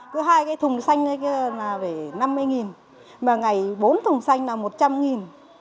cứ hai cái thùng xanh là năm mươi nghìn mà ngày bốn thùng xanh là một trăm linh nghìn